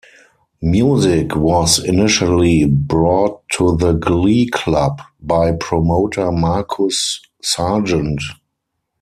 Music was initially brought to the Glee Club by promoter Markus Sargeant.